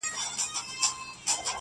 په خندا پاڅي په ژړا يې اختتام دی پيره.